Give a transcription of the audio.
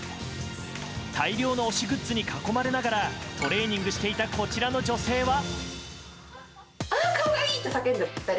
大量の推しグッズに囲まれながらトレーニングしていたこちらの女性は。